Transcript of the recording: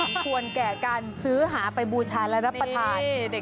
ก็ควรแกะกันซื้อหาไปบูชานแล้วรับประทาน